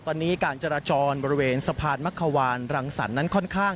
ตอนนี้การจราจรบริเวณสะพานมักขวานรังสรรคนั้นค่อนข้าง